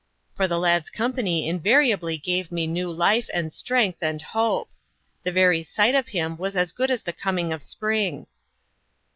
For the lad's company invariably gave me new life, and strength, and hope. The very sight of him was as good as the coming of spring.